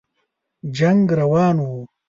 جنګ روان وو.